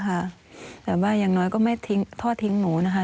แต่ว่าอย่างน้อยก็ไม่ทอดทิ้งหนูนะคะ